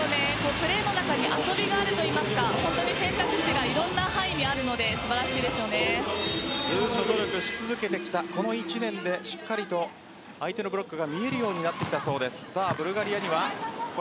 プレーの中に遊びがあるといいますか選択肢がいろんな範囲にあるのでずっと努力し続けてきたこの１年でしっかりと相手のブロックが見えるようになってきたそうです。